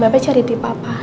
bapak cari tipe apa